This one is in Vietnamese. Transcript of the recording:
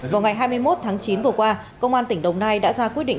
vào ngày hai mươi một tháng chín vừa qua công an tỉnh đồng nai đã ra quyết định